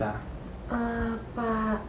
pak siapa ya kemarin